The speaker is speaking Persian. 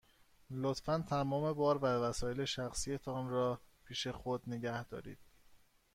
لطفاً تمام بار و وسایل شخصی تان را پیش خود نگه دارید.